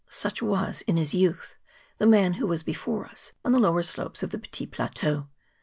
Such was, in his youth, the man who was before us on the lower slopes of the Petit Plateau.